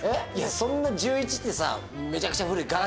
そんな１１ってさ。